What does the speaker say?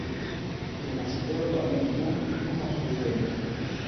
και να σου φέρω το αντίτιμο ή να χάσω τη ζωή μου